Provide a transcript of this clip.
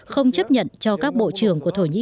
không chấp nhận cho các bộ trưởng của thổ nhĩ kỳ